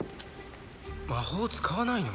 魔法を使わないの？